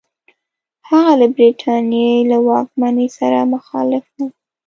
هغه له برټانیې له واکمنۍ سره مخالف وو.